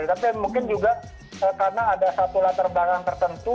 tapi mungkin juga karena ada satu latar belakang tertentu